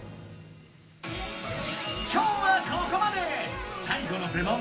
今日はここまで！